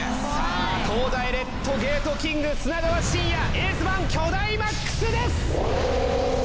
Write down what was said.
東大レッドゲートキング砂川エースバーンキョダイマックスです！